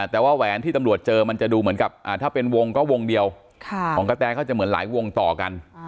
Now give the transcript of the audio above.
แต่ว่าแหวนที่ตำรวจเจอมันจะดูเหมือนกับถ้าเป็นวงก็วงเดียวของกระแตเขาจะเหมือนหลายวงต่อกัน